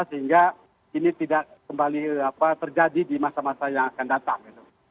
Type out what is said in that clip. sehingga ini tidak kembali terjadi di masa masa yang akan datang